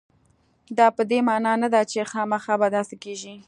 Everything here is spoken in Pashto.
دا په دې معنا نه ده چې خامخا به داسې کېږي.